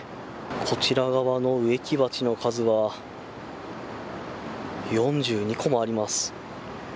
こちら側の植木鉢の数は４２個もあります。